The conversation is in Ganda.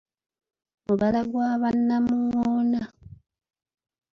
Mubala gwa ba Namungoona.